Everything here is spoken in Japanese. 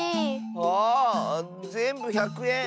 あぜんぶ１００えん。